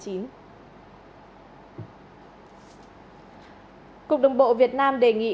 cục đồng bộ việt nam đề nghị